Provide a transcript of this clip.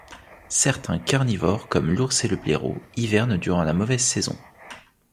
Certains carnivores comme l’ours et le blaireau hivernent durant la mauvaise saison.